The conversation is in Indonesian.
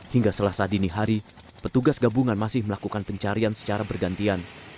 hingga selasa dini hari petugas gabungan masih melakukan pencarian secara bergantian